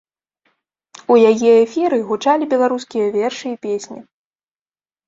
У яе эфіры гучалі беларускія вершы і песні.